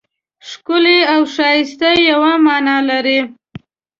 ښکلی او ښایسته یوه مانا لري.